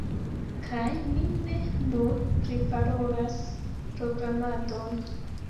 Kaj mi ne nur priparolas programadon